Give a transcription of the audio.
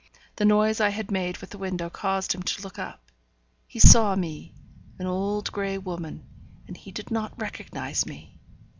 The noise I had made with the window caused him to look up; he saw me, an old grey woman, and he did not recognize me!